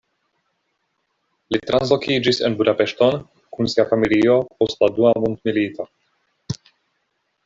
Li translokiĝis en Budapeŝton kun sia familio post la dua mondmilito.